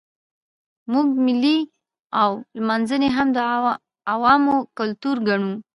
موږ مېلې او لمانځنې هم د عوامو کلتور ګڼو.